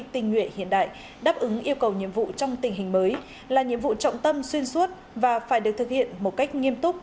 tình nguyện hiện đại đáp ứng yêu cầu nhiệm vụ trong tình hình mới là nhiệm vụ trọng tâm xuyên suốt và phải được thực hiện một cách nghiêm túc